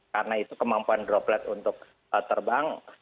karena itu kemampuan droplet untuk terbang